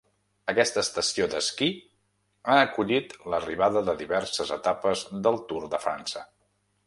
Aquesta estació d'esquí ha acollit l'arribada de diverses etapes del Tour de França.